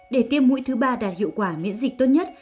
để tiêm mũi thứ ba đạt hiệu quả miễn dịch tốt nhất